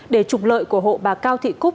để trục lợi của hộ bà cao thị cúc